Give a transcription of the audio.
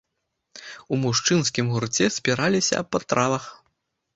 У мужчынскім гурце спіраліся аб патравах.